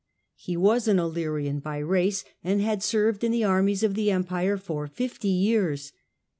He was an Illyrian by race, and had served in the armies of the Empire for fifty years.